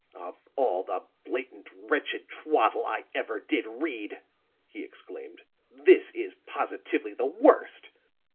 "Of all the blatant wretched twaddle I ever did read," he exclaimed, "this is positively the worst.